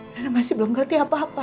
karena masih belum ngerti apa apa